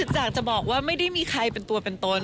จากจะบอกว่าไม่ได้มีใครเป็นตัวเป็นตน